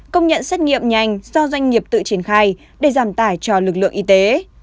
công nhận xét nghiệm nhanh do doanh nghiệp tự triển khai để giảm tải cho lực lượng y tế